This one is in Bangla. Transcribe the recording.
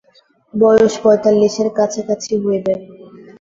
বয়স পঁয়তাল্লিশের কাছাকাছি হইবে।